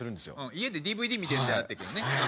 家でＤＶＤ見てるみたいになってるけどね。